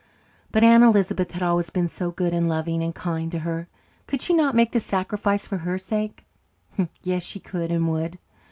But Aunt Elizabeth had always been so good and loving and kind to her. Could she not make the sacrifice for her sake? Yes, she could and would.